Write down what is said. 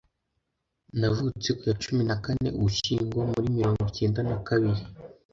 Navutse ku ya cumi na kane Ugushyingo muri mirongo icyenda na kabiri.